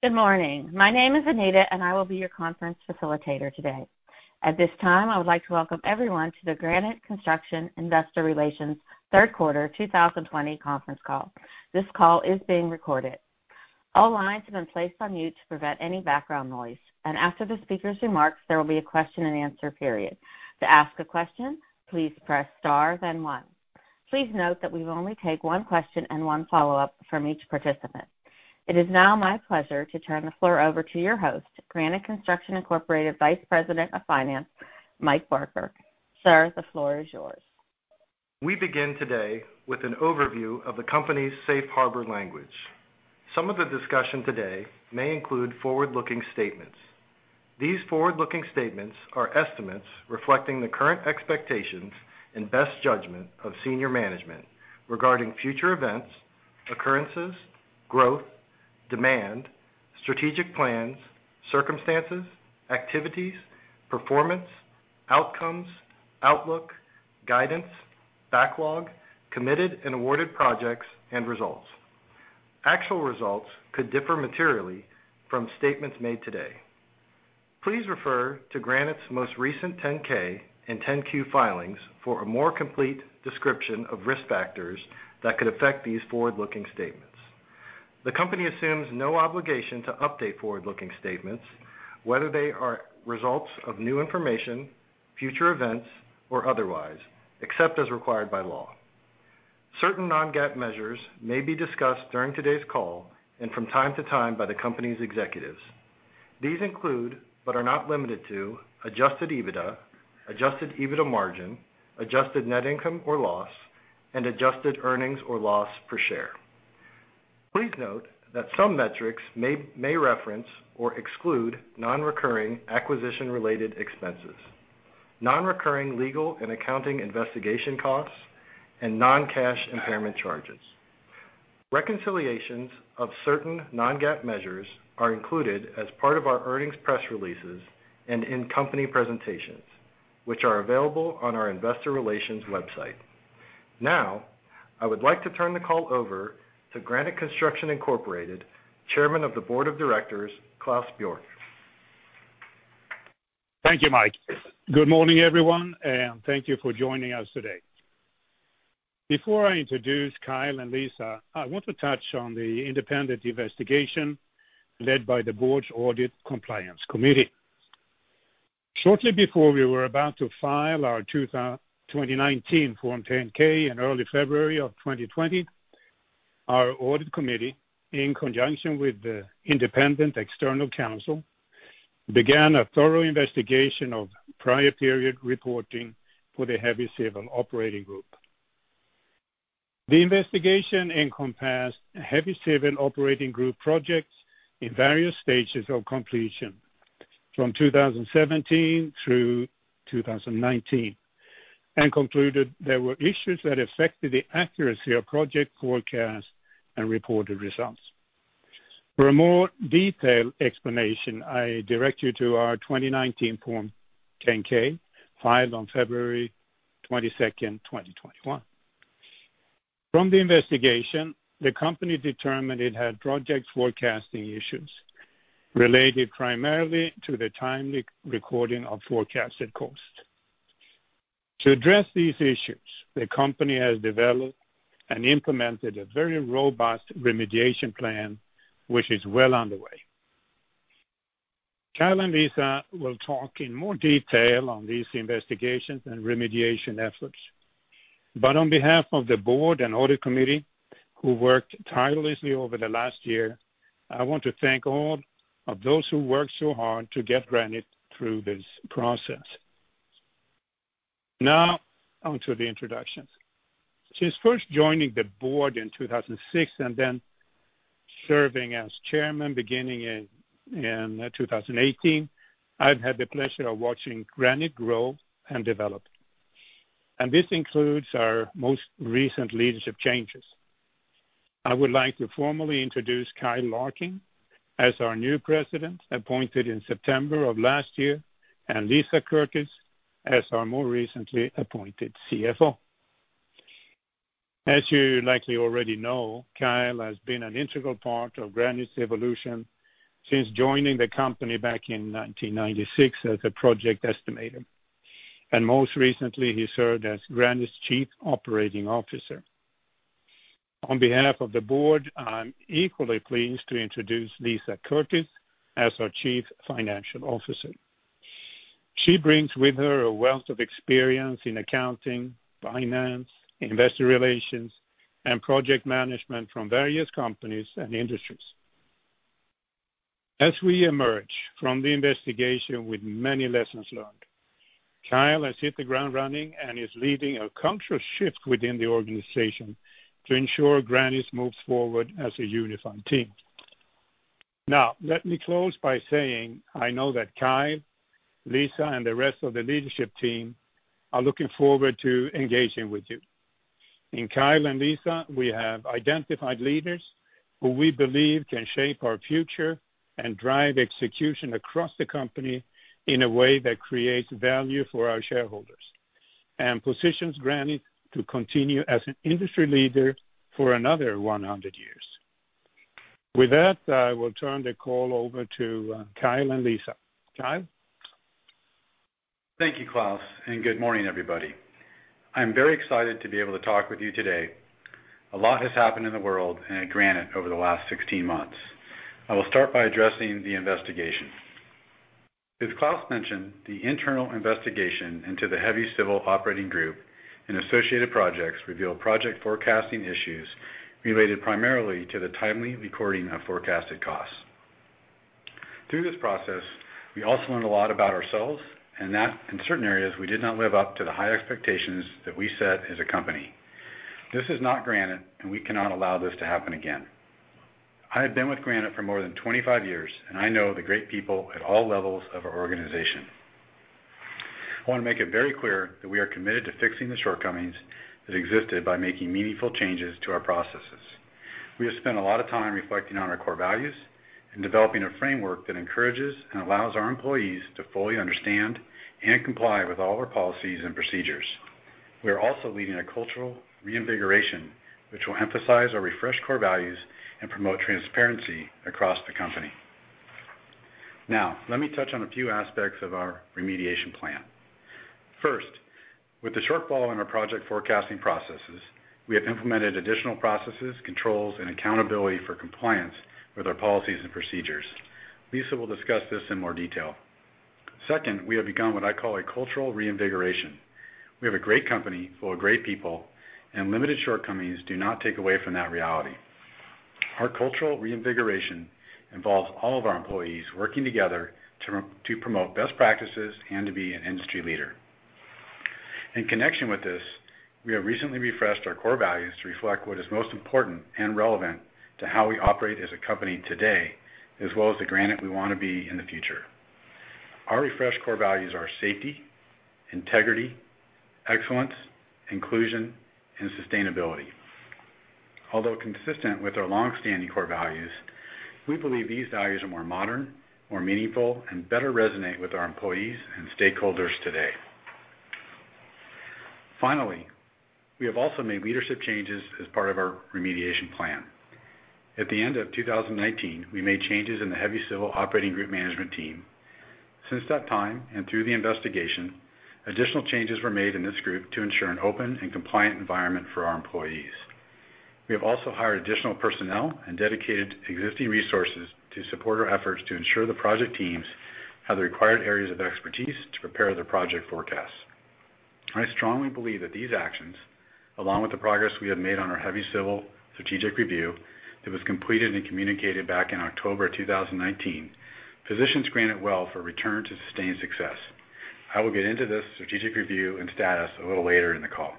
Good morning. My name is Anita, and I will be your conference facilitator today. At this time, I would like to welcome everyone to the Granite Construction Investor Relations Third Quarter 2020 conference call. This call is being recorded. All lines have been placed on mute to prevent any background noise, and after the speaker's remarks, there will be a question-and-answer period. To ask a question, please press star, then one. Please note that we will only take one question and one follow-up from each participant. It is now my pleasure to turn the floor over to your host, Granite Construction Incorporated Vice President of Finance, Mike Barker. Sir, the floor is yours. We begin today with an overview of the company's safe harbor language. Some of the discussion today may include forward-looking statements. These forward-looking statements are estimates reflecting the current expectations and best judgment of senior management regarding future events, occurrences, growth, demand, strategic plans, circumstances, activities, performance, outcomes, outlook, guidance, backlog, committed and awarded projects, and results. Actual results could differ materially from statements made today. Please refer to Granite's most recent 10-K and 10-Q filings for a more complete description of risk factors that could affect these forward-looking statements. The company assumes no obligation to update forward-looking statements, whether they are results of new information, future events, or otherwise, except as required by law. Certain non-GAAP measures may be discussed during today's call and from time to time by the company's executives. These include, but are not limited to, Adjusted EBITDA, Adjusted EBITDA margin, Adjusted Net Income or loss, and adjusted earnings or loss per share. Please note that some metrics may reference or exclude non-recurring acquisition-related expenses, non-recurring legal and accounting investigation costs, and non-cash impairment charges. Reconciliations of certain non-GAAP measures are included as part of our earnings press releases and in company presentations, which are available on our investor relations website. Now, I would like to turn the call over to Granite Construction Incorporated Chairman of the Board of Directors, Claes Bjork. Thank you, Mike. Good morning, everyone, and thank you for joining us today. Before I introduce Kyle and Lisa, I want to touch on the independent investigation led by the Board's Audit Compliance Committee. Shortly before we were about to file our 2019 Form 10-K in early February of 2020, our audit committee, in conjunction with the independent external counsel, began a thorough investigation of prior period reporting for the Heavy Civil Operating Group. The investigation encompassed Heavy Civil Operating Group projects in various stages of completion from 2017 through 2019 and concluded there were issues that affected the accuracy of project forecast and reported results. For a more detailed explanation, I direct you to our 2019 Form 10-K filed on February 22nd, 2021. From the investigation, the company determined it had project forecasting issues related primarily to the timely recording of forecasted costs. To address these issues, the company has developed and implemented a very robust remediation plan, which is well underway. Kyle and Lisa will talk in more detail on these investigations and remediation efforts, but on behalf of the board and audit committee who worked tirelessly over the last year, I want to thank all of those who worked so hard to get Granite through this process. Now, on to the introductions. Since first joining the board in 2006 and then serving as chairman beginning in 2018, I've had the pleasure of watching Granite grow and develop, and this includes our most recent leadership changes. I would like to formally introduce Kyle Larkin as our new president, appointed in September of last year, and Lisa Curtis as our more recently appointed CFO. As you likely already know, Kyle has been an integral part of Granite's evolution since joining the company back in 1996 as a project estimator, and most recently, he served as Granite's Chief Operating Officer. On behalf of the board, I'm equally pleased to introduce Lisa Curtis as our Chief Financial Officer. She brings with her a wealth of experience in accounting, finance, investor relations, and project management from various companies and industries. As we emerge from the investigation with many lessons learned, Kyle has hit the ground running and is leading a cultural shift within the organization to ensure Granite moves forward as a unified team. Now, let me close by saying I know that Kyle, Lisa, and the rest of the leadership team are looking forward to engaging with you. In Kyle and Lisa, we have identified leaders who we believe can shape our future and drive execution across the company in a way that creates value for our shareholders and positions Granite to continue as an industry leader for another 100 years. With that, I will turn the call over to Kyle and Lisa. Kyle? Thank you, Claes, and good morning, everybody. I'm very excited to be able to talk with you today. A lot has happened in the world and at Granite over the last 16 months. I will start by addressing the investigation. As Claes mentioned, the internal investigation into the Heavy Civil Operating Group and associated projects revealed project forecasting issues related primarily to the timely recording of forecasted costs. Through this process, we also learned a lot about ourselves and that in certain areas, we did not live up to the high expectations that we set as a company. This is not Granite, and we cannot allow this to happen again. I have been with Granite for more than 25 years, and I know the great people at all levels of our organization. I want to make it very clear that we are committed to fixing the shortcomings that existed by making meaningful changes to our processes. We have spent a lot of time reflecting on our core values and developing a framework that encourages and allows our employees to fully understand and comply with all our policies and procedures. We are also leading a cultural reinvigoration, which will emphasize our refreshed core values and promote transparency across the company. Now, let me touch on a few aspects of our remediation plan. First, with the shortfall in our project forecasting processes, we have implemented additional processes, controls, and accountability for compliance with our policies and procedures. Lisa will discuss this in more detail. Second, we have begun what I call a cultural reinvigoration. We have a great company full of great people, and limited shortcomings do not take away from that reality. Our cultural reinvigoration involves all of our employees working together to promote best practices and to be an industry leader. In connection with this, we have recently refreshed our core values to reflect what is most important and relevant to how we operate as a company today, as well as the Granite we want to be in the future. Our refreshed core values are safety, integrity, excellence, inclusion, and sustainability. Although consistent with our longstanding core values, we believe these values are more modern, more meaningful, and better resonate with our employees and stakeholders today. Finally, we have also made leadership changes as part of our remediation plan. At the end of 2019, we made changes in the Heavy Civil Operating Group management team. Since that time and through the investigation, additional changes were made in this group to ensure an open and compliant environment for our employees. We have also hired additional personnel and dedicated existing resources to support our efforts to ensure the project teams have the required areas of expertise to prepare their project forecasts. I strongly believe that these actions, along with the progress we have made on our Heavy Civil strategic review that was completed and communicated back in October 2019, positions Granite well for return to sustained success. I will get into this strategic review and status a little later in the call.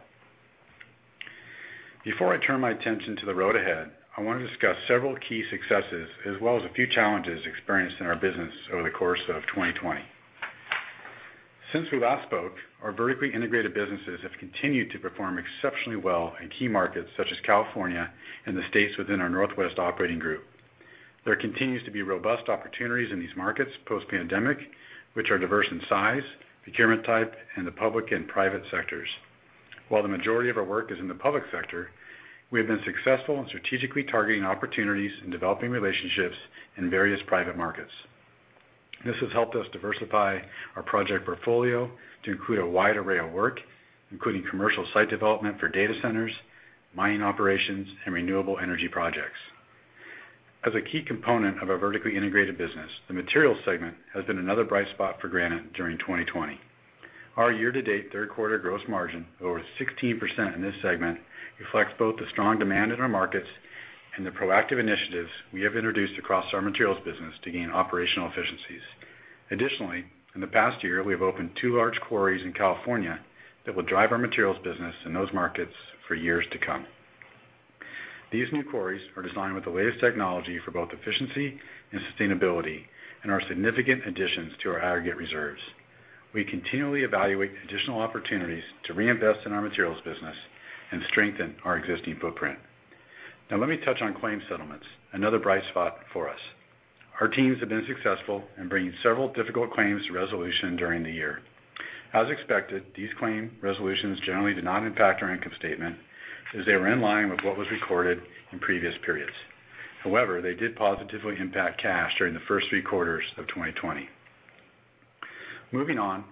Before I turn my attention to the road ahead, I want to discuss several key successes as well as a few challenges experienced in our business over the course of 2020. Since we last spoke, our vertically integrated businesses have continued to perform exceptionally well in key markets such as California and the states within our Northwest Operating Group. There continues to be robust opportunities in these markets post-pandemic, which are diverse in size, procurement type, and the public and private sectors. While the majority of our work is in the public sector, we have been successful in strategically targeting opportunities and developing relationships in various private markets. This has helped us diversify our project portfolio to include a wide array of work, including commercial site development for data centers, mining operations, and renewable energy projects. As a key component of our vertically integrated business, the Materials segment has been another bright spot for Granite during 2020. Our year-to-date third quarter gross margin of over 16% in this segment reflects both the strong demand in our markets and the proactive initiatives we have introduced across our materials business to gain operational efficiencies. Additionally, in the past year, we have opened two large quarries in California that will drive our materials business in those markets for years to come. These new quarries are designed with the latest technology for both efficiency and sustainability and are significant additions to our aggregate reserves. We continually evaluate additional opportunities to reinvest in our materials business and strengthen our existing footprint. Now, let me touch on claim settlements, another bright spot for us. Our teams have been successful in bringing several difficult claims to resolution during the year. As expected, these claim resolutions generally do not impact our income statement as they were in line with what was recorded in previous periods. However, they did positively impact cash during the first three quarters of 2020. Moving on,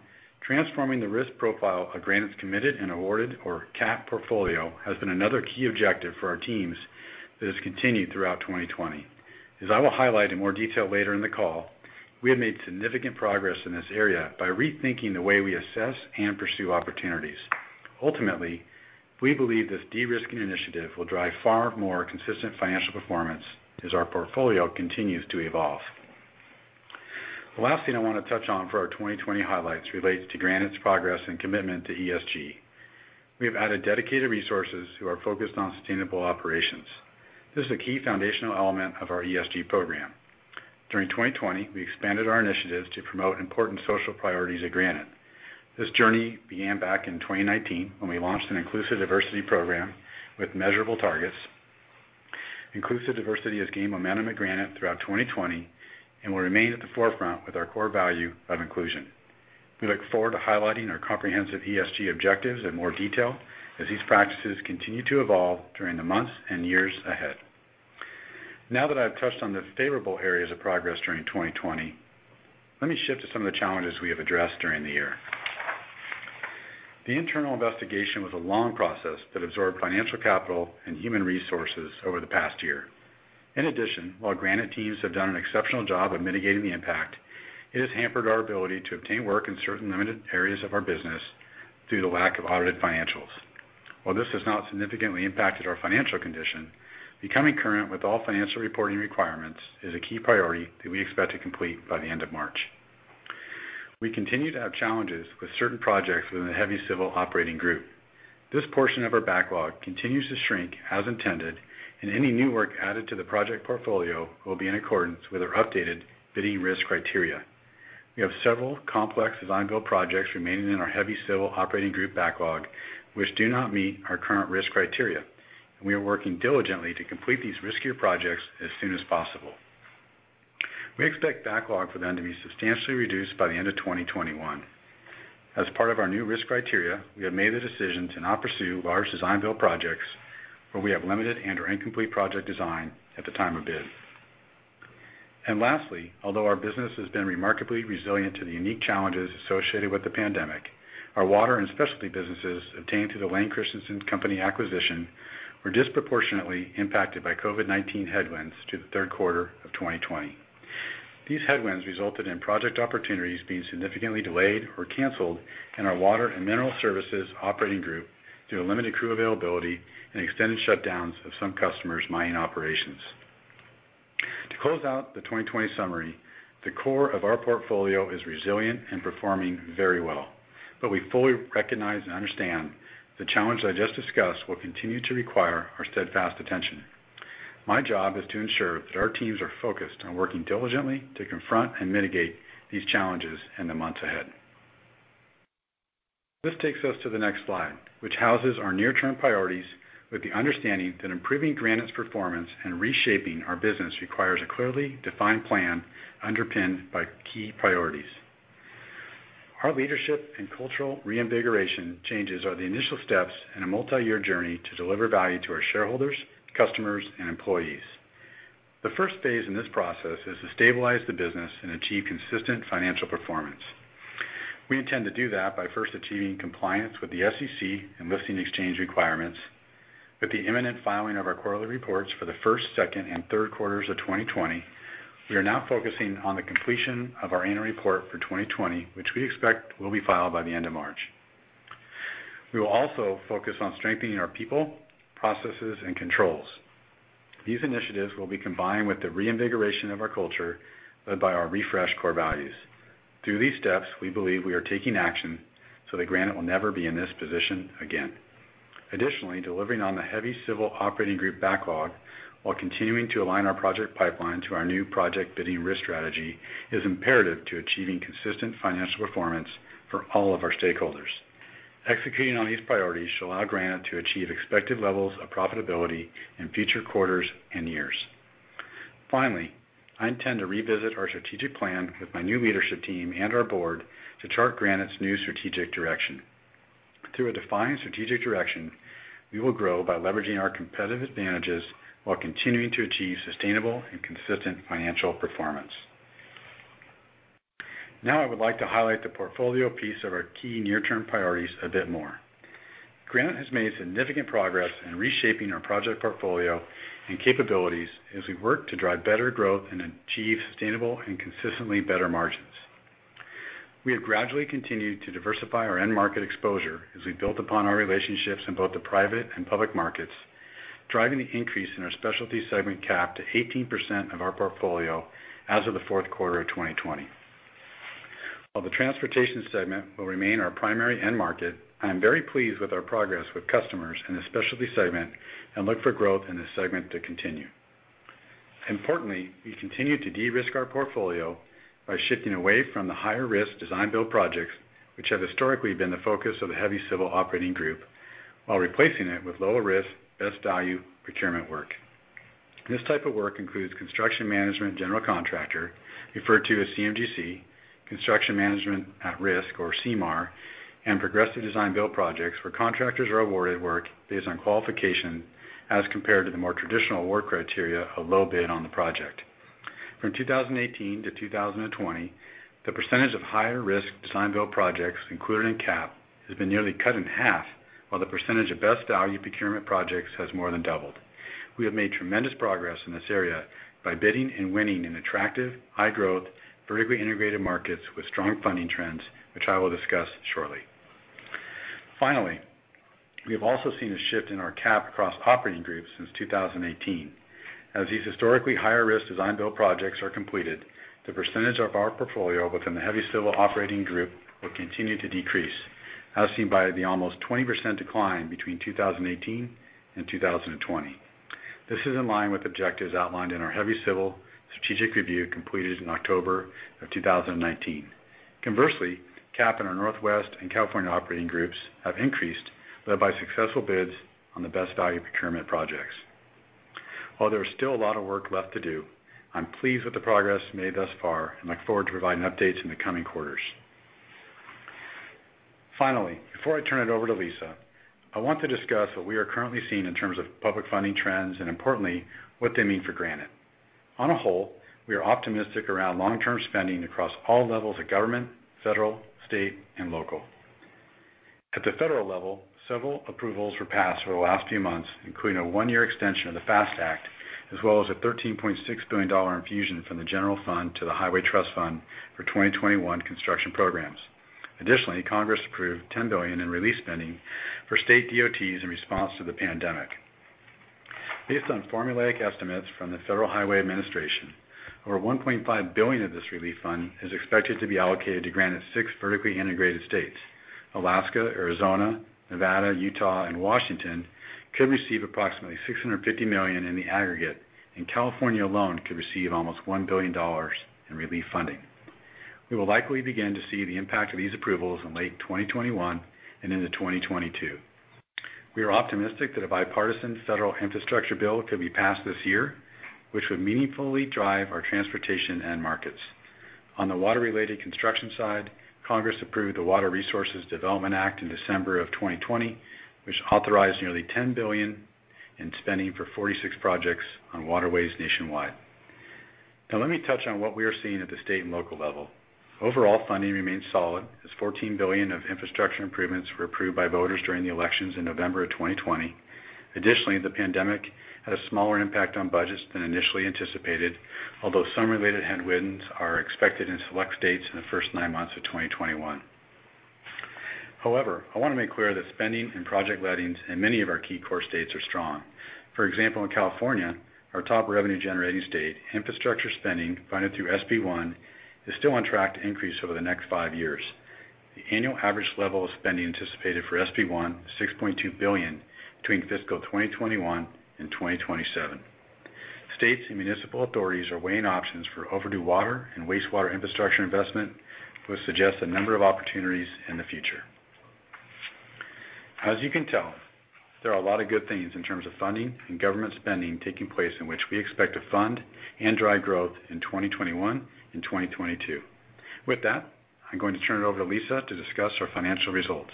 transforming the risk profile of Granite's committed and awarded, or CAP, portfolio has been another key objective for our teams that has continued throughout 2020. As I will highlight in more detail later in the call, we have made significant progress in this area by rethinking the way we assess and pursue opportunities. Ultimately, we believe this de-risking initiative will drive far more consistent financial performance as our portfolio continues to evolve. The last thing I want to touch on for our 2020 highlights relates to Granite's progress and commitment to ESG. We have added dedicated resources who are focused on sustainable operations. This is a key foundational element of our ESG program. During 2020, we expanded our initiatives to promote important social priorities at Granite. This journey began back in 2019 when we launched an Inclusive Diversity program with measurable targets. Inclusive diversity has gained momentum at Granite throughout 2020 and will remain at the forefront with our core value of inclusion. We look forward to highlighting our comprehensive ESG objectives in more detail as these practices continue to evolve during the months and years ahead. Now that I've touched on the favorable areas of progress during 2020, let me shift to some of the challenges we have addressed during the year. The internal investigation was a long process that absorbed financial capital and human resources over the past year. In addition, while Granite teams have done an exceptional job of mitigating the impact, it has hampered our ability to obtain work in certain limited areas of our business due to the lack of audited financials. While this has not significantly impacted our financial condition, becoming current with all financial reporting requirements is a key priority that we expect to complete by the end of March. We continue to have challenges with certain projects within the Heavy Civil Operating Group. This portion of our backlog continues to shrink as intended, and any new work added to the project portfolio will be in accordance with our updated bidding risk criteria. We have several complex design-build projects remaining in our Heavy Civil Operating Group backlog, which do not meet our current risk criteria, and we are working diligently to complete these riskier projects as soon as possible. We expect backlog for them to be substantially reduced by the end of 2021. As part of our new risk criteria, we have made the decision to not pursue large design-build projects where we have limited and/or incomplete project design at the time of bid. Lastly, although our business has been remarkably resilient to the unique challenges associated with the pandemic, our water and specialty businesses obtained through the Layne Christensen Company acquisition were disproportionately impacted by COVID-19 headwinds through the third quarter of 2020. These headwinds resulted in project opportunities being significantly delayed or canceled in our Water and Mineral Services Operating Group due to limited crew availability and extended shutdowns of some customers' mining operations. To close out the 2020 summary, the core of our portfolio is resilient and performing very well, but we fully recognize and understand the challenges I just discussed will continue to require our steadfast attention. My job is to ensure that our teams are focused on working diligently to confront and mitigate these challenges in the months ahead. This takes us to the next slide, which houses our near-term priorities with the understanding that improving Granite's performance and reshaping our business requires a clearly defined plan underpinned by key priorities. Our leadership and cultural reinvigoration changes are the initial steps in a multi-year journey to deliver value to our shareholders, customers, and employees. The first phase in this process is to stabilize the business and achieve consistent financial performance. We intend to do that by first achieving compliance with the SEC and listing exchange requirements. With the imminent filing of our quarterly reports for the first, second, and third quarters of 2020, we are now focusing on the completion of our annual report for 2020, which we expect will be filed by the end of March. We will also focus on strengthening our people, processes, and controls. These initiatives will be combined with the reinvigoration of our culture led by our refreshed core values. Through these steps, we believe we are taking action so that Granite will never be in this position again. Additionally, delivering on the Heavy Civil Operating Group backlog while continuing to align our project pipeline to our new project bidding risk strategy is imperative to achieving consistent financial performance for all of our stakeholders. Executing on these priorities should allow Granite to achieve expected levels of profitability in future quarters and years. Finally, I intend to revisit our strategic plan with my new leadership team and our board to chart Granite's new strategic direction. Through a defined strategic direction, we will grow by leveraging our competitive advantages while continuing to achieve sustainable and consistent financial performance. Now, I would like to highlight the portfolio piece of our key near-term priorities a bit more. Granite has made significant progress in reshaping our project portfolio and capabilities as we work to drive better growth and achieve sustainable and consistently better margins. We have gradually continued to diversify our end market exposure as we've built upon our relationships in both the private and public markets, driving the increase in our specialty segment CAP to 18% of our portfolio as of the fourth quarter of 2020. While the Transportation segment will remain our primary end market, I am very pleased with our progress with customers in the specialty segment and look for growth in this segment to continue. Importantly, we continue to de-risk our portfolio by shifting away from the higher-risk Design-Build projects, which have historically been the focus of the Heavy Civil Operating Group, while replacing it with lower-risk, best value procurement work. This type of work includes construction management general contractor, referred to as CMGC, construction management at risk, or CMAR, and progressive design-build projects where contractors are awarded work based on qualification as compared to the more traditional award criteria of low bid on the project. From 2018 to 2020, the percentage of higher-risk Design-Build projects included in CAP has been nearly cut in half, while the percentage of best value procurement projects has more than doubled. We have made tremendous progress in this area by bidding and winning in attractive, high-growth, vertically integrated markets with strong funding trends, which I will discuss shortly. Finally, we have also seen a shift in our CAP across operating groups since 2018. As these historically higher-risk design-build projects are completed, the percentage of our portfolio within the heavy civil operating group will continue to decrease, as seen by the almost 20% decline between 2018 and 2020. This is in line with objectives outlined in our heavy civil strategic review completed in October of 2019. Conversely, CAP in our Northwest and California Operating Groups have increased led by successful bids on the best value procurement projects. While there is still a lot of work left to do, I'm pleased with the progress made thus far and look forward to providing updates in the coming quarters. Finally, before I turn it over to Lisa, I want to discuss what we are currently seeing in terms of public funding trends and, importantly, what they mean for Granite. On the whole, we are optimistic around long-term spending across all levels of government, federal, state, and local. At the federal level, several approvals were passed over the last few months, including a 1-year extension of the FAST Act, as well as a $13.6 billion infusion from the general fund to the Highway Trust Fund for 2021 construction programs. Additionally, Congress approved $10 billion in relief spending for state DOTs in response to the pandemic. Based on formulaic estimates from the Federal Highway Administration, over $1.5 billion of this relief fund is expected to be allocated to Granite's six vertically integrated states. Alaska, Arizona, Nevada, Utah, and Washington could receive approximately $650 million in the aggregate, and California alone could receive almost $1 billion in relief funding. We will likely begin to see the impact of these approvals in late 2021 and into 2022. We are optimistic that a bipartisan federal infrastructure bill could be passed this year, which would meaningfully drive our transportation end markets. On the water-related construction side, Congress approved the Water Resources Development Act in December of 2020, which authorized nearly $10 billion in spending for 46 projects on waterways nationwide. Now, let me touch on what we are seeing at the state and local level. Overall, funding remains solid as $14 billion of infrastructure improvements were approved by voters during the elections in November of 2020. Additionally, the pandemic had a smaller impact on budgets than initially anticipated, although some related headwinds are expected in select states in the first nine months of 2021. However, I want to make clear that spending and project lettings in many of our key core states are strong. For example, in California, our top revenue-generating state, infrastructure spending funded through SB1, is still on track to increase over the next five years. The annual average level of spending anticipated for SB1 is $6.2 billion between fiscal 2021 and 2027. States and municipal authorities are weighing options for overdue water and wastewater infrastructure investment, which suggests a number of opportunities in the future. As you can tell, there are a lot of good things in terms of funding and government spending taking place in which we expect to fund and drive growth in 2021 and 2022. With that, I'm going to turn it over to Lisa to discuss our financial results.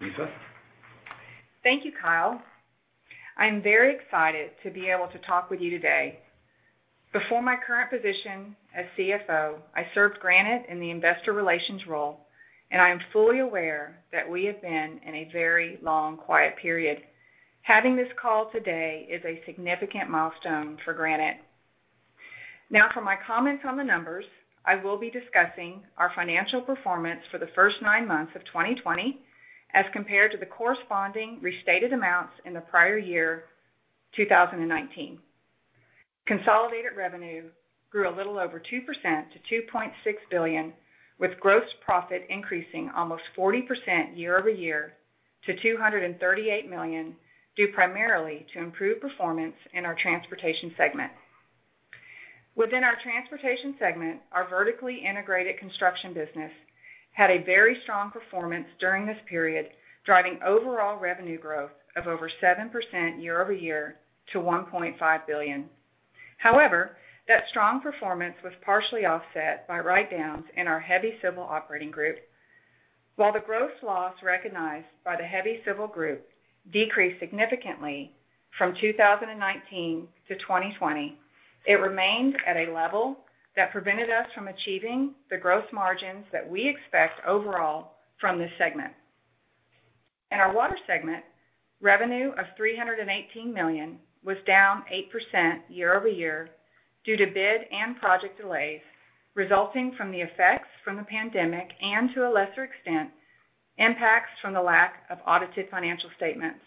Lisa. Thank you, Kyle. I'm very excited to be able to talk with you today. Before my current position as CFO, I served Granite in the investor relations role, and I am fully aware that we have been in a very long quiet period. Having this call today is a significant milestone for Granite. Now, for my comments on the numbers, I will be discussing our financial performance for the first nine months of 2020 as compared to the corresponding restated amounts in the prior year, 2019. Consolidated revenue grew a little over 2% to $2.6 billion, with gross profit increasing almost 40% year-over-year to $238 million, due primarily to improved performance in our transportation segment. Within our transportation segment, our vertically integrated construction business had a very strong performance during this period, driving overall revenue growth of over 7% year-over-year to $1.5 billion. However, that strong performance was partially offset by write-downs in our Heavy Civil Operating Group. While the gross loss recognized by the Heavy Civil group decreased significantly from 2019 to 2020, it remained at a level that prevented us from achieving the gross margins that we expect overall from this segment. In our Water segment, revenue of $318 million was down 8% year-over-year due to bid and project delays resulting from the effects from the pandemic and, to a lesser extent, impacts from the lack of audited financial statements.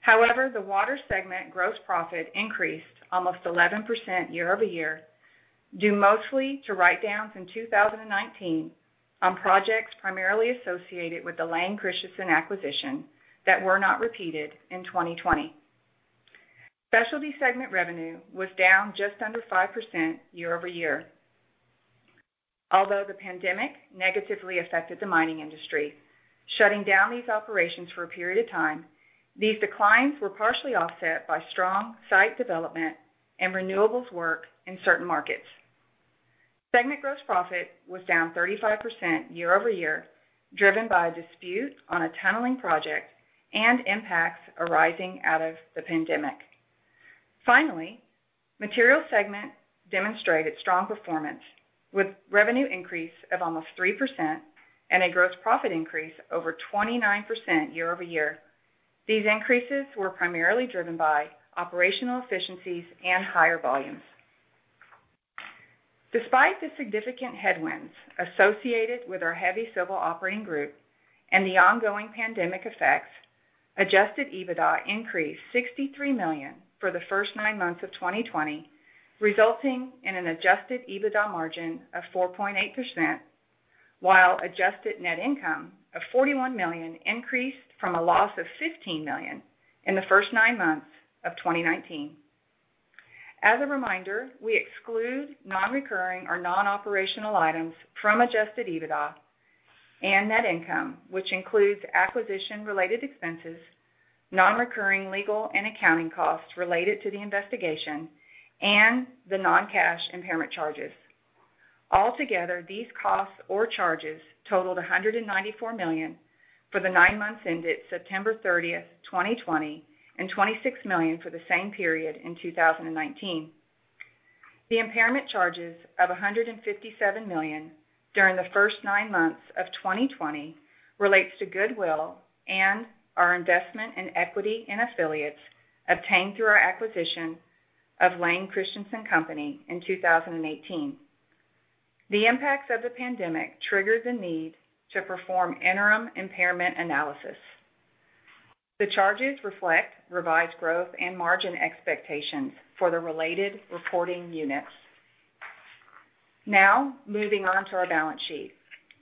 However, the Water segment gross profit increased almost 11% year-over-year, due mostly to write-downs in 2019 on projects primarily associated with the Layne Christensen acquisition that were not repeated in 2020. Specialty segment revenue was down just under 5% year-over-year, although the pandemic negatively affected the mining industry. Shutting down these operations for a period of time, these declines were partially offset by strong site development and renewables work in certain markets. Segment gross profit was down 35% year-over-year, driven by a dispute on a tunneling project and impacts arising out of the pandemic. Finally, material segment demonstrated strong performance with revenue increase of almost 3% and a gross profit increase over 29% year-over-year. These increases were primarily driven by operational efficiencies and higher volumes. Despite the significant headwinds associated with our Heavy Civil Operating Group and the ongoing pandemic effects, Adjusted EBITDA increased $63 million for the first nine months of 2020, resulting in an Adjusted EBITDA margin of 4.8%, while Adjusted Net Income of $41 million increased from a loss of $15 million in the first nine months of 2019. As a reminder, we exclude non-recurring or non-operational items from Adjusted EBITDA and net income, which includes acquisition-related expenses, non-recurring legal and accounting costs related to the investigation, and the non-cash impairment charges. Altogether, these costs or charges totaled $194 million for the nine months ended September 30, 2020, and $26 million for the same period in 2019. The impairment charges of $157 million during the first nine months of 2020 relate to goodwill and our investment in equity and affiliates obtained through our acquisition of Layne Christensen Company in 2018. The impacts of the pandemic triggered the need to perform interim impairment analysis. The charges reflect revised growth and margin expectations for the related reporting units. Now, moving on to our balance sheet.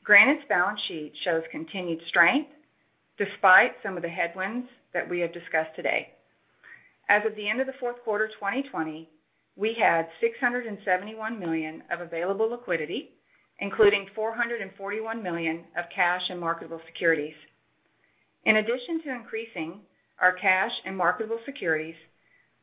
Granite's balance sheet shows continued strength despite some of the headwinds that we have discussed today. As of the end of the fourth quarter 2020, we had $671 million of available liquidity, including $441 million of cash and marketable securities. In addition to increasing our cash and marketable securities,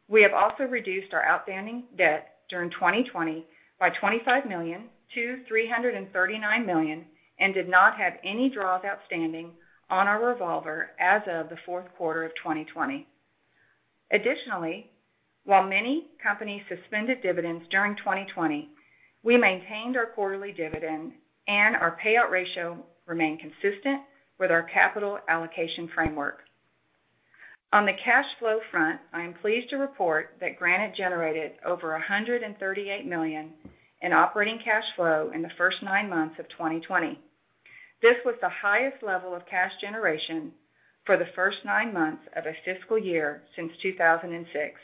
we have also reduced our outstanding debt during 2020 by $25 million to $339 million and did not have any draws outstanding on our revolver as of the fourth quarter of 2020. Additionally, while many companies suspended dividends during 2020, we maintained our quarterly dividend, and our payout ratio remained consistent with our capital allocation framework. On the cash flow front, I am pleased to report that Granite generated over $138 million in operating cash flow in the first nine months of 2020. This was the highest level of cash generation for the first nine months of a fiscal year since 2006.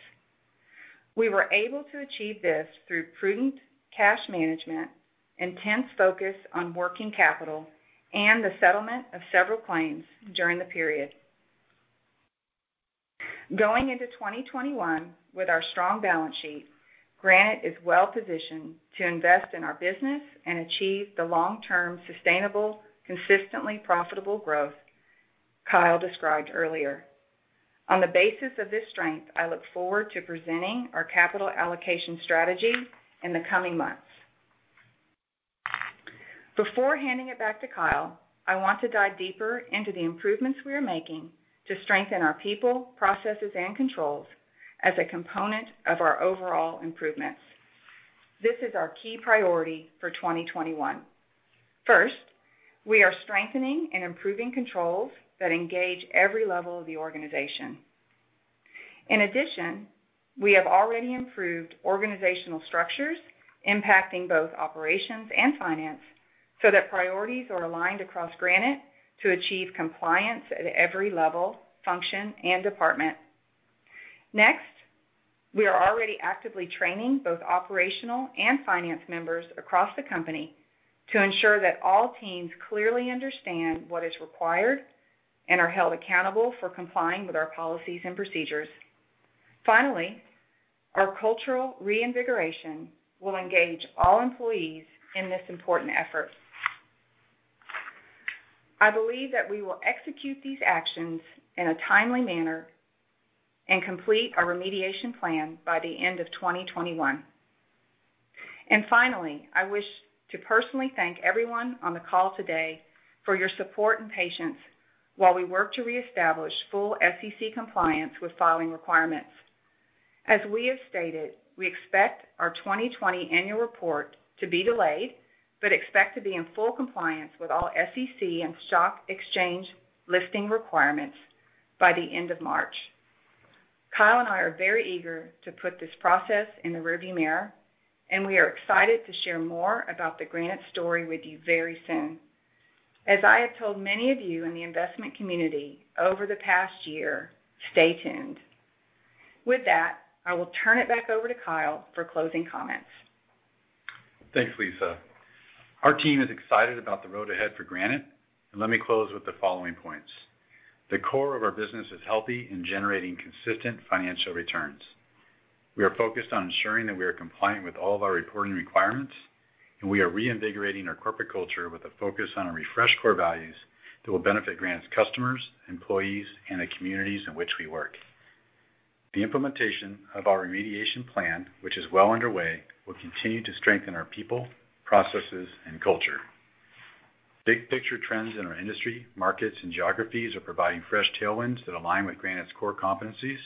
We were able to achieve this through prudent cash management, intense focus on working capital, and the settlement of several claims during the period. Going into 2021 with our strong balance sheet, Granite is well positioned to invest in our business and achieve the long-term sustainable, consistently profitable growth Kyle described earlier. On the basis of this strength, I look forward to presenting our capital allocation strategy in the coming months. Before handing it back to Kyle, I want to dive deeper into the improvements we are making to strengthen our people, processes, and controls as a component of our overall improvements. This is our key priority for 2021. First, we are strengthening and improving controls that engage every level of the organization. In addition, we have already improved organizational structures, impacting both operations and finance, so that priorities are aligned across Granite to achieve compliance at every level, function, and department. Next, we are already actively training both operational and finance members across the company to ensure that all teams clearly understand what is required and are held accountable for complying with our policies and procedures. Finally, our cultural reinvigoration will engage all employees in this important effort. I believe that we will execute these actions in a timely manner and complete our remediation plan by the end of 2021. Finally, I wish to personally thank everyone on the call today for your support and patience while we work to reestablish full SEC compliance with filing requirements. As we have stated, we expect our 2020 annual report to be delayed but expect to be in full compliance with all SEC and stock exchange listing requirements by the end of March. Kyle and I are very eager to put this process in the rearview mirror, and we are excited to share more about the Granite story with you very soon. As I have told many of you in the investment community over the past year, stay tuned. With that, I will turn it back over to Kyle for closing comments. Thanks, Lisa. Our team is excited about the road ahead for Granite, and let me close with the following points. The core of our business is healthy and generating consistent financial returns. We are focused on ensuring that we are compliant with all of our reporting requirements, and we are reinvigorating our corporate culture with a focus on our refreshed core values that will benefit Granite's customers, employees, and the communities in which we work. The implementation of our remediation plan, which is well underway, will continue to strengthen our people, processes, and culture. Big-picture trends in our industry, markets, and geographies are providing fresh tailwinds that align with Granite's core competencies,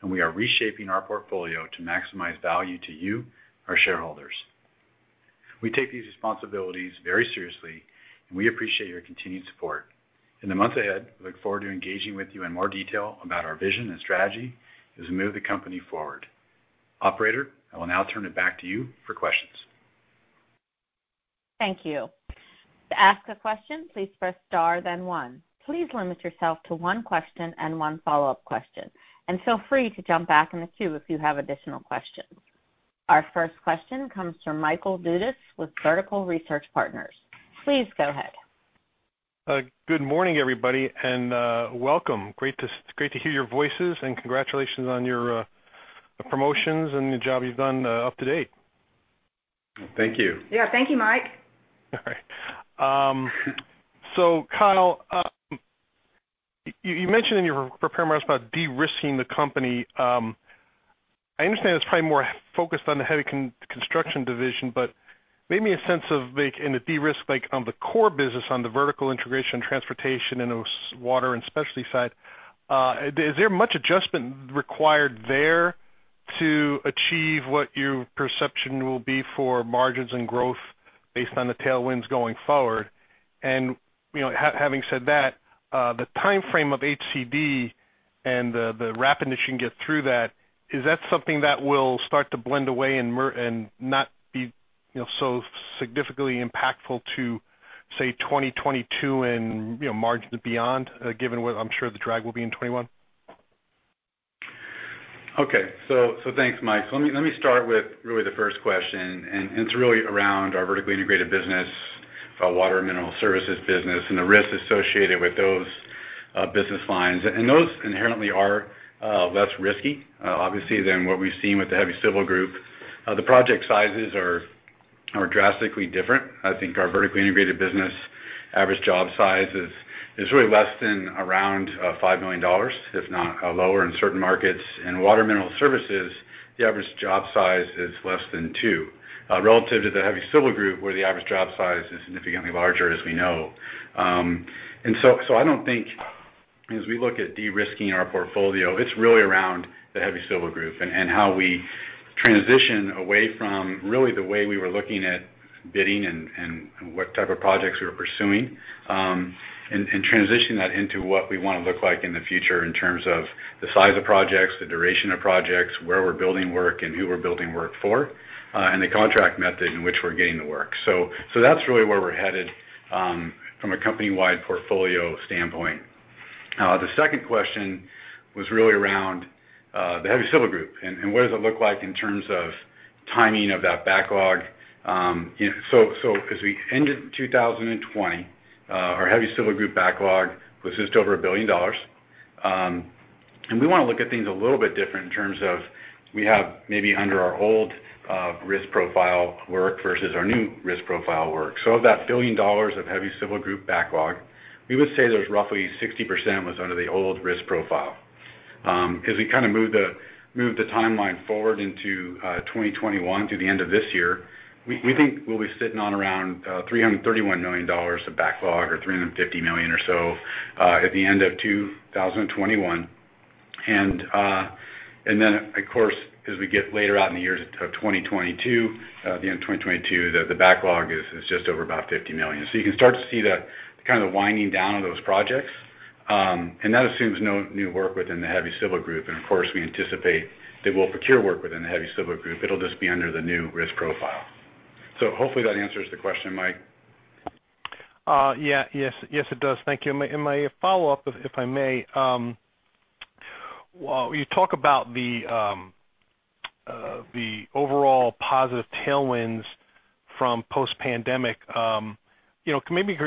and we are reshaping our portfolio to maximize value to you, our shareholders. We take these responsibilities very seriously, and we appreciate your continued support. In the months ahead, we look forward to engaging with you in more detail about our vision and strategy as we move the company forward. Operator, I will now turn it back to you for questions. Thank you. To ask a question, please press star, then one. Please limit yourself to one question and one follow-up question, and feel free to jump back in the queue if you have additional questions. Our first question comes from Michael Dudas with Vertical Research Partners. Please go ahead. Good morning, everybody, and welcome. Great to hear your voices, and congratulations on your promotions and the job you've done up to date. Thank you. Yeah, thank you, Mike. All right. So, Kyle, you mentioned in your prepared remarks about de-risking the company. I understand it's probably more focused on the heavy construction division, but maybe a sense of a de-risk on the core business, on the vertical integration and transportation and water and specialty side. Is there much adjustment required there to achieve what your perception will be for margins and growth based on the tailwinds going forward? And having said that, the timeframe of HCD and the rapidness you can get through that, is that something that will start to blend away and not be so significantly impactful to, say, 2022 and margins beyond, given what I'm sure the drag will be in 2021? Okay. So thanks, Mike. So let me start with really the first question, and it's really around our vertically integrated business, water and mineral services business, and the risks associated with those business lines. And those inherently are less risky, obviously, than what we've seen with the heavy civil group. The project sizes are drastically different. I think our vertically integrated business average job size is really less than around $5 million, if not lower, in certain markets. In water and mineral services, the average job size is less than 2, relative to the heavy civil group, where the average job size is significantly larger, as we know. And so I don't think, as we look at de-risking our portfolio, it's really around the heavy civil group and how we transition away from really the way we were looking at bidding and what type of projects we were pursuing and transitioning that into what we want to look like in the future in terms of the size of projects, the duration of projects, where we're building work, and who we're building work for, and the contract method in which we're getting the work. So that's really where we're headed from a company-wide portfolio standpoint. The second question was really around the heavy civil group, and what does it look like in terms of timing of that backlog? So as we ended 2020, our heavy civil group backlog was just over $1 billion. We want to look at things a little bit different in terms of we have maybe under our old risk profile work versus our new risk profile work. So of that $1 billion of heavy civil group backlog, we would say there's roughly 60% was under the old risk profile. As we kind of move the timeline forward into 2021, to the end of this year, we think we'll be sitting on around $331 million of backlog or $350 million or so at the end of 2021. And then, of course, as we get later out in the years of 2022, the end of 2022, the backlog is just over about $50 million. So you can start to see kind of the winding down of those projects. That assumes no new work within the heavy civil group. Of course, we anticipate they will procure work within the heavy civil group. It'll just be under the new risk profile. Hopefully, that answers the question, Mike. Yeah. Yes, it does. Thank you. My follow-up, if I may, you talk about the overall positive tailwinds from post-pandemic. Can maybe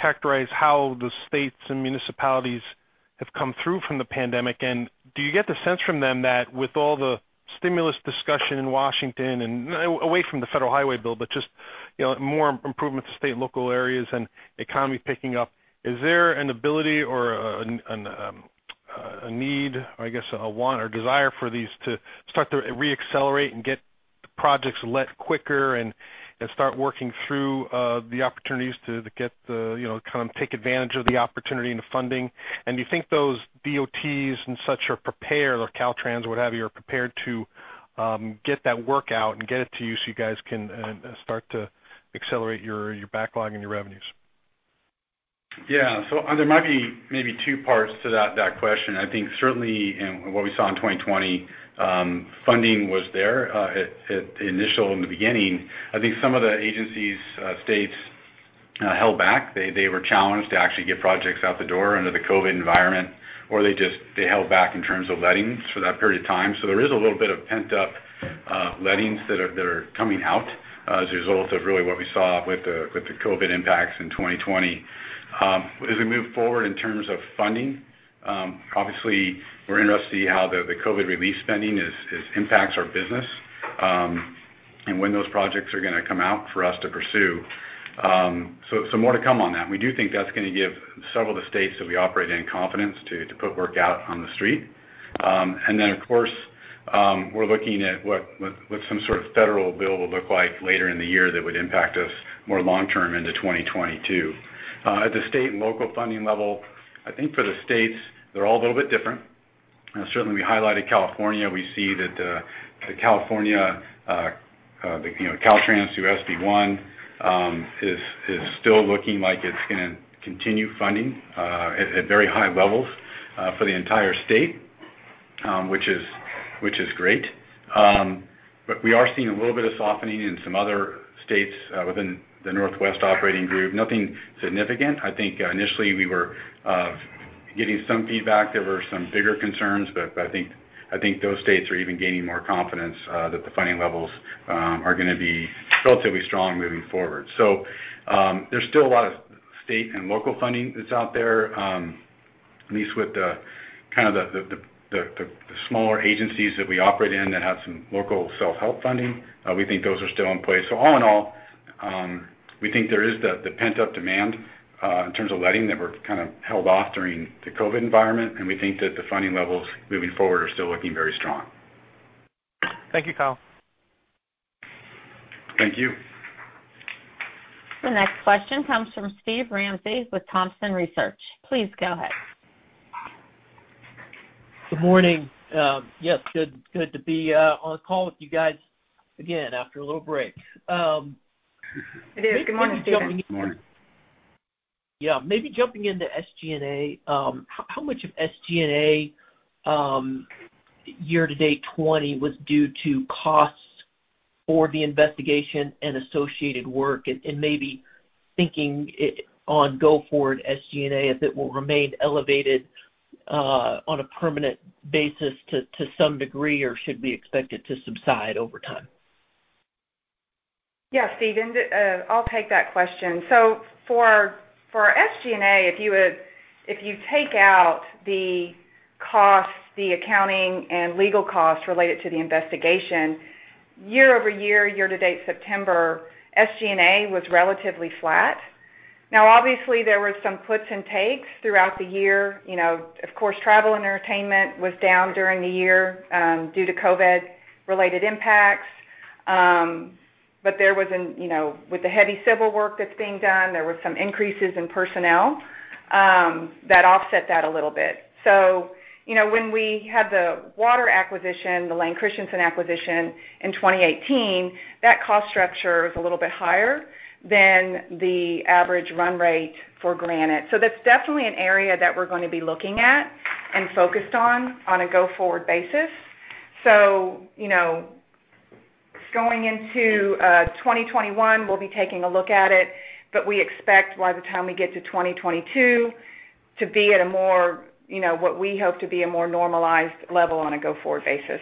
characterize how the states and municipalities have come through from the pandemic? And do you get the sense from them that with all the stimulus discussion in Washington and away from the federal highway bill, but just more improvement to state and local areas and economy picking up, is there an ability or a need, or I guess a want or desire for these to start to reaccelerate and get projects let quicker and start working through the opportunities to kind of take advantage of the opportunity and the funding? And do you think those DOTs and such are prepared, or Caltrans or what have you, are prepared to get that work out and get it to you so you guys can start to accelerate your backlog and your revenues? Yeah. So there might be maybe two parts to that question. I think certainly, in what we saw in 2020, funding was there initially in the beginning. I think some of the agencies, states held back. They were challenged to actually get projects out the door under the COVID environment, or they held back in terms of lettings for that period of time. So there is a little bit of pent-up lettings that are coming out as a result of really what we saw with the COVID impacts in 2020. As we move forward in terms of funding, obviously, we're interested to see how the COVID relief spending impacts our business and when those projects are going to come out for us to pursue. So more to come on that. We do think that's going to give several of the states that we operate in confidence to put work out on the street. Then, of course, we're looking at what some sort of federal bill will look like later in the year that would impact us more long-term into 2022. At the state and local funding level, I think for the states, they're all a little bit different. Certainly, we highlighted California. We see that the California, Caltrans, SB1 is still looking like it's going to continue funding at very high levels for the entire state, which is great. But we are seeing a little bit of softening in some other states within the Northwest Operating Group. Nothing significant. I think initially, we were getting some feedback. There were some bigger concerns, but I think those states are even gaining more confidence that the funding levels are going to be relatively strong moving forward. So there's still a lot of state and local funding that's out there, at least with kind of the smaller agencies that we operate in that have some local self-help funding. We think those are still in place. So all in all, we think there is the pent-up demand in terms of letting that were kind of held off during the COVID environment, and we think that the funding levels moving forward are still looking very strong. Thank you, Kyle. Thank you. The next question comes from Steve Ramsey with Thompson Research. Please go ahead. Good morning. Yes, good to be on the call with you guys again after a little break. It is. Good morning, Steve. Good morning. Yeah. Maybe jumping into SG&A, how much of SG&A year-to-date 2020 was due to costs for the investigation and associated work, and maybe thinking on go forward SG&A, if it will remain elevated on a permanent basis to some degree, or should we expect it to subside over time? Yes, Steven. I'll take that question. So for SG&A, if you take out the costs, the accounting, and legal costs related to the investigation, year-over-year, year-to-date September, SG&A was relatively flat. Now, obviously, there were some puts and takes throughout the year. Of course, travel and entertainment was down during the year due to COVID-related impacts. But with the heavy civil work that's being done, there were some increases in personnel that offset that a little bit. So when we had the water acquisition, the Layne Christensen acquisition in 2018, that cost structure was a little bit higher than the average run rate for Granite. So that's definitely an area that we're going to be looking at and focused on on a go forward basis. So going into 2021, we'll be taking a look at it, but we expect by the time we get to 2022 to be at a more, what we hope to be, a more normalized level on a go forward basis.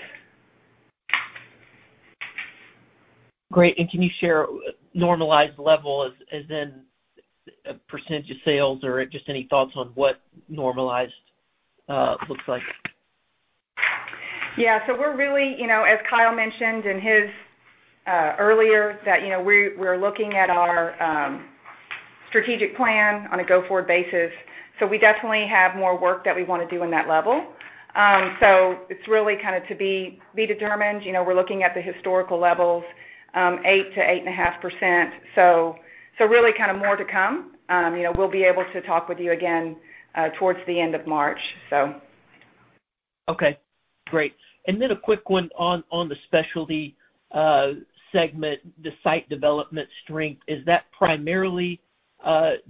Great. And can you share normalized level as in percentage of sales or just any thoughts on what normalized looks like? Yeah. So we're really, as Kyle mentioned earlier, that we're looking at our strategic plan on a go forward basis. So we definitely have more work that we want to do in that level. So it's really kind of to be determined. We're looking at the historical levels, 8%-8.5%. So really kind of more to come. We'll be able to talk with you again towards the end of March, so. Okay. Great. And then a quick one on the specialty segment, the site development strength. Is that primarily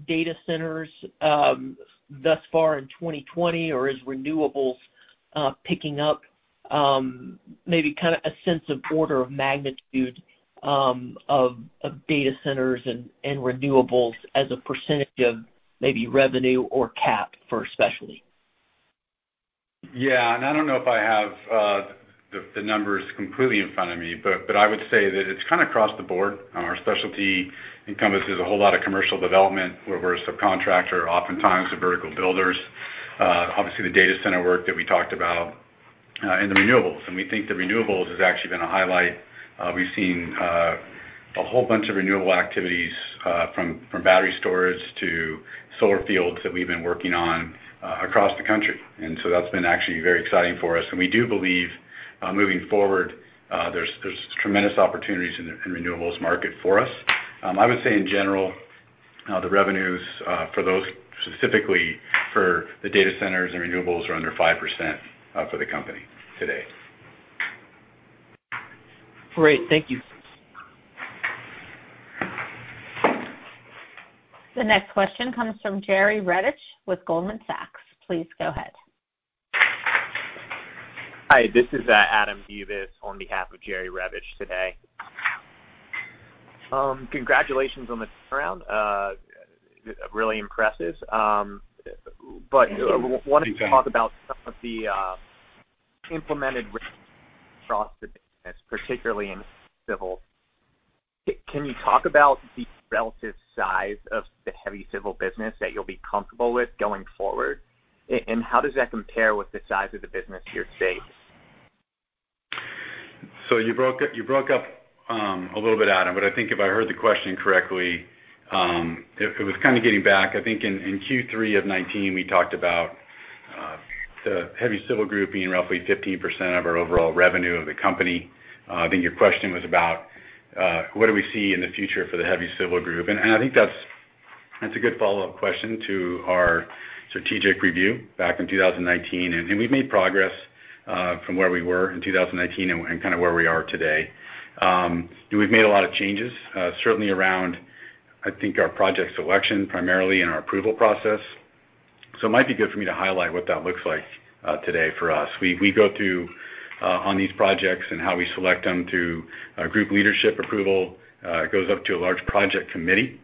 data centers thus far in 2020, or is renewables picking up? Maybe kind of a sense of order of magnitude of data centers and renewables as a percentage of maybe revenue or cap for specialty? Yeah. And I don't know if I have the numbers completely in front of me, but I would say that it's kind of across the board. Our specialty encompasses a whole lot of commercial development where we're a subcontractor, oftentimes the vertical builders, obviously the data center work that we talked about, and the renewables. We think the renewables has actually been a highlight. We've seen a whole bunch of renewable activities from battery storage to solar fields that we've been working on across the country. So that's been actually very exciting for us. We do believe moving forward, there's tremendous opportunities in the renewables market for us. I would say in general, the revenues for those, specifically for the data centers and renewables, are under 5% for the company today. Great. Thank you. The next question comes from Jerry Revich with Goldman Sachs. Please go ahead. Hi. This is Adam Davis on behalf of Jerry Revich today. Congratulations on the turnaround. Really impressive. But wanted to talk about some of the implemented risk across the business, particularly in heavy civil. Can you talk about the relative size of the heavy civil business that you'll be comfortable with going forward, and how does that compare with the size of the business in-state? So you broke up a little bit, Adam, but I think if I heard the question correctly, it was kind of getting back. I think in Q3 of 2019, we talked about the heavy civil group being roughly 15% of our overall revenue of the company. I think your question was about what do we see in the future for the heavy civil group. And I think that's a good follow-up question to our strategic review back in 2019. And we've made progress from where we were in 2019 and kind of where we are today. We've made a lot of changes, certainly around, I think, our project selection primarily and our approval process. So it might be good for me to highlight what that looks like today for us. We go through on these projects and how we select them through group leadership approval. It goes up to a large project committee,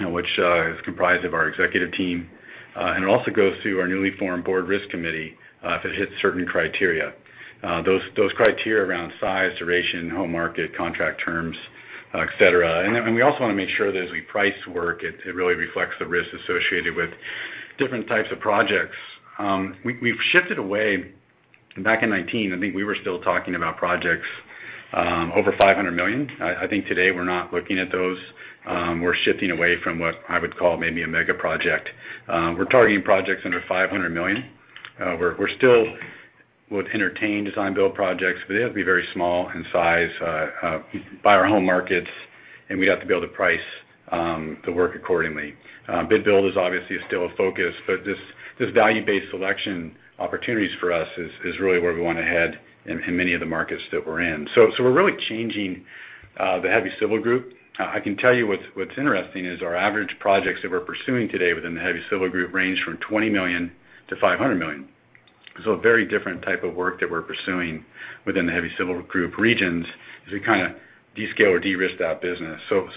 which is comprised of our executive team. And it also goes through our newly formed board risk committee if it hits certain criteria. Those criteria around size, duration, home market, contract terms, etc. And we also want to make sure that as we price work, it really reflects the risk associated with different types of projects. We've shifted away back in 2019. I think we were still talking about projects over $500 million. I think today we're not looking at those. We're shifting away from what I would call maybe a mega project. We're targeting projects under $500 million. We're still with alternative design-build projects, but they have to be very small in size in our home markets, and we'd have to be able to price the work accordingly. Bid-build is obviously still a focus, but this value-based selection opportunities for us is really where we want to head in many of the markets that we're in. So we're really changing the Heavy Civil Group. I can tell you what's interesting is our average projects that we're pursuing today within the Heavy Civil Group range from $20 million-$500 million. So a very different type of work that we're pursuing within the Heavy Civil Group regions is we kind of downscale or de-risk that business. So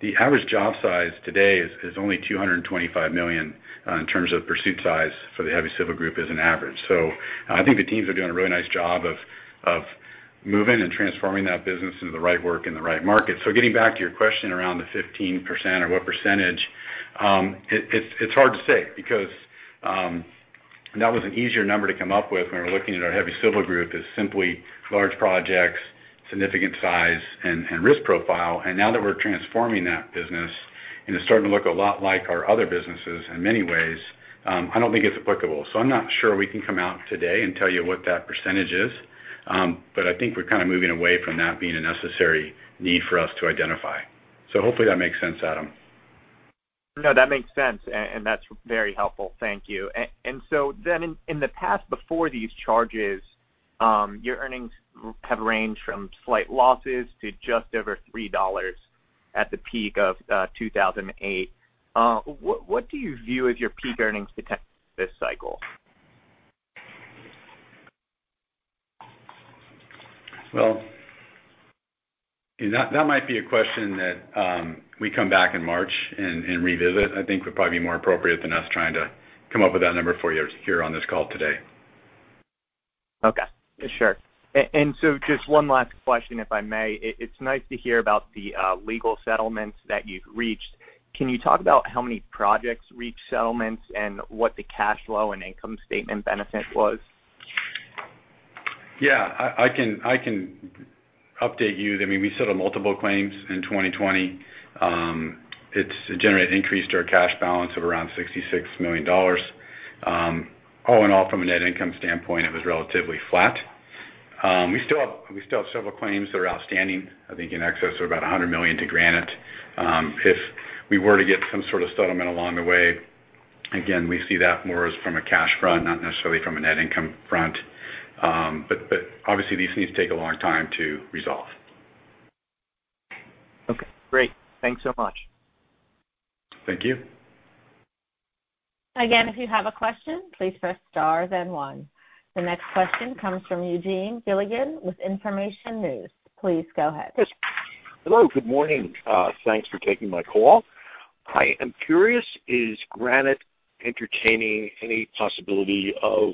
the average job size today is only $225 million in terms of pursuit size for the Heavy Civil Group as an average. So I think the teams are doing a really nice job of moving and transforming that business into the right work in the right market. So getting back to your question around the 15% or what percentage, it's hard to say because that was an easier number to come up with when we're looking at our Heavy Civil Group as simply large projects, significant size, and risk profile. And now that we're transforming that business and it's starting to look a lot like our other businesses in many ways, I don't think it's applicable. So I'm not sure we can come out today and tell you what that percentage is, but I think we're kind of moving away from that being a necessary need for us to identify. So hopefully that makes sense, Adam. No, that makes sense. And that's very helpful. Thank you. And so then in the past, before these charges, your earnings have ranged from slight losses to just over $3 at the peak of 2008. What do you view as your peak earnings potential this cycle? Well, that might be a question that we come back in March and revisit. I think would probably be more appropriate than us trying to come up with that number for you here on this call today. Okay. Sure. And so just one last question, if I may. It's nice to hear about the legal settlements that you've reached. Can you talk about how many projects reached settlements and what the cash flow and income statement benefit was? Yeah. I can update you. I mean, we settled multiple claims in 2020. It generated increased our cash balance of around $66 million. All in all, from a net income standpoint, it was relatively flat. We still have several claims that are outstanding, I think, in excess of about $100 million to Granite. If we were to get some sort of settlement along the way, again, we see that more as from a cash front, not necessarily from a net income front. But obviously, these things take a long time to resolve. Okay. Great. Thanks so much. Thank you. Again, if you have a question, please press star, then one. The next question comes from Eugene Gilligan with Inframation News. Please go ahead. Hello. Good morning. Thanks for taking my call. I am curious, is Granite entertaining any possibility of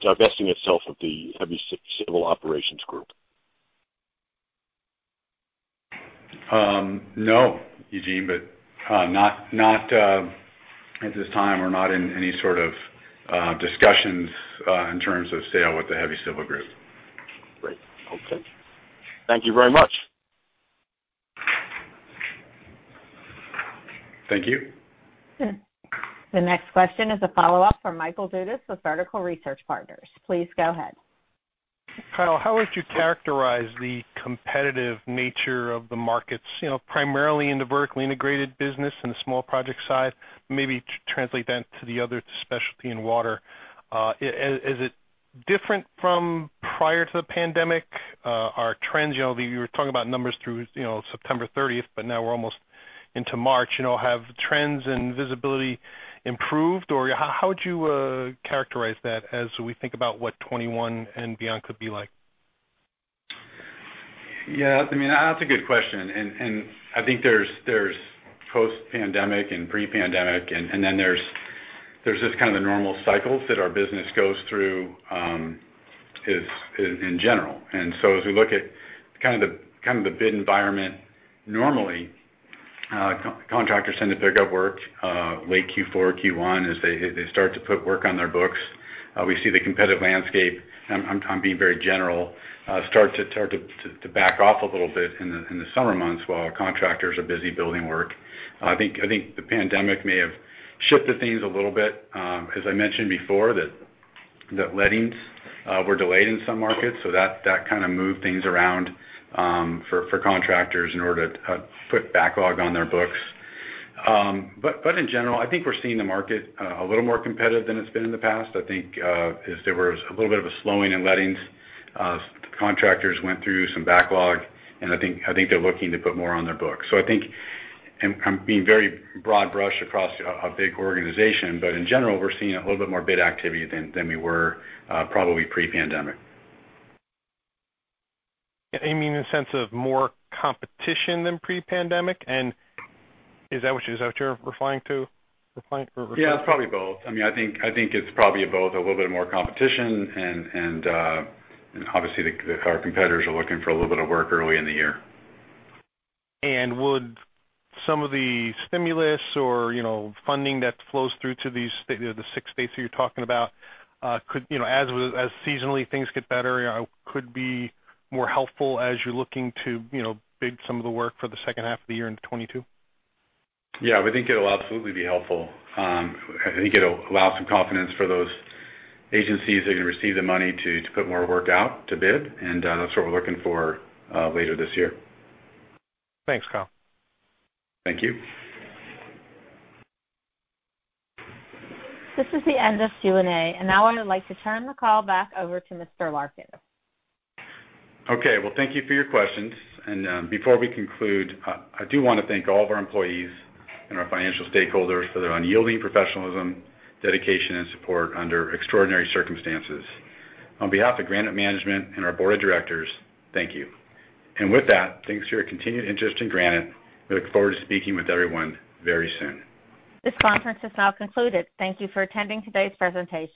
divesting itself of the heavy civil operations group? No, Eugene, but not at this time or not in any sort of discussions in terms of sale with the heavy civil group. Great. Okay. Thank you very much. Thank you. The next question is a follow-up from Michael Dudas with Vertical Research Partners. Please go ahead. Kyle, how would you characterize the competitive nature of the markets, primarily in the vertically integrated business and the small project side? Maybe translate that to the other specialty in water. Is it different from prior to the pandemic? Our trends, we were talking about numbers through September 30th, but now we're almost into March. Have trends and visibility improved, or how would you characterize that as we think about what 2021 and beyond could be like? Yeah. I mean, that's a good question. I think there's post-pandemic and pre-pandemic, and then there's just kind of the normal cycles that our business goes through in general. And so as we look at kind of the bid environment, normally contractors tend to pick up work late Q4, Q1 as they start to put work on their books. We see the competitive landscape, I'm being very general, start to back off a little bit in the summer months while contractors are busy building work. I think the pandemic may have shifted things a little bit. As I mentioned before, the lettings were delayed in some markets. So that kind of moved things around for contractors in order to put backlog on their books. But in general, I think we're seeing the market a little more competitive than it's been in the past. I think if there was a little bit of a slowing in lettings, contractors went through some backlog, and I think they're looking to put more on their books. I think I'm being very broad brush across a big organization, but in general, we're seeing a little bit more bid activity than we were probably pre-pandemic. You mean in the sense of more competition than pre-pandemic? And is that what you're referring to? Yeah. Probably both. I mean, I think it's probably both, a little bit more competition, and obviously our competitors are looking for a little bit of work early in the year. And would some of the stimulus or funding that flows through to the six states that you're talking about, as seasonally things get better, could be more helpful as you're looking to bid some of the work for the second half of the year in 2022? Yeah. We think it'll absolutely be helpful. I think it'll allow some confidence for those agencies that are going to receive the money to put more work out to bid. And that's what we're looking for later this year. Thanks, Kyle. Thank you. This is the end of Q&A, and now I would like to turn the call back over to Mr. Larkin. Okay. Well, thank you for your questions. And before we conclude, I do want to thank all of our employees and our financial stakeholders for their unyielding professionalism, dedication, and support under extraordinary circumstances. On behalf of Granite management and our board of directors, thank you. And with that, thanks for your continued interest in Granite. We look forward to speaking with everyone very soon. This conference is now concluded. Thank you for attending today's presentation.